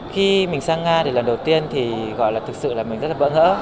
khi mình sang nga thì lần đầu tiên thì gọi là thực sự là mình rất là bỡ ngỡ